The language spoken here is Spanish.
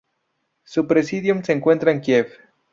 Su presidium se encuentra en Kiev.